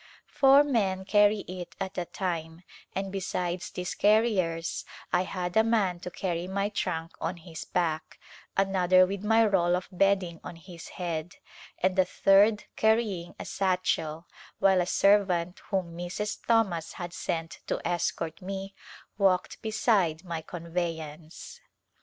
Four men carrv it at a time, and be sides these carriers I had a man to carry my trunk on his back, another with my roll of bedding on his head, and a third carrying a satchel, while a servant whom Mrs. Thomas had sent to escort me walked beside my convevance.